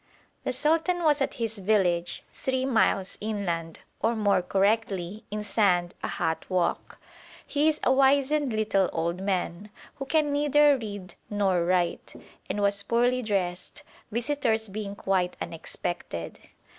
The sultan was at his village, three miles inland, or, more correctly, in sand a hot walk. He is a wizened little old man, who can neither read nor write, and was poorly dressed, visitors being quite unexpected.